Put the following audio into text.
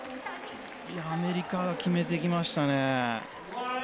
アメリカが決めてきましたね。